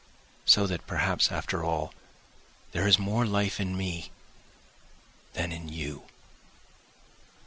So that perhaps, after all, there is more life in me than in you.